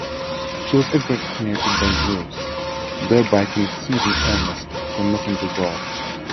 She was impregnated by Zeus, thereby conceiving Hermes, the messenger god.